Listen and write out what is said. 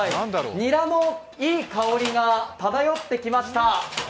ニラのいい香りが漂ってきました。